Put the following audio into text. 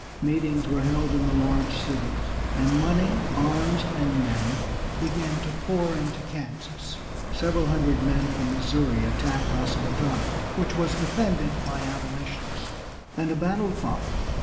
Meetings were held in the large cities, and money, arms, and men began to pour into Kansas. Several hundred men from Missouri attacked Osawatomie, which was defended by Abolitionists, and a battle followed.